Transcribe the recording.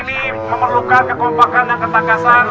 memerlukan kekompakan dan ketakasan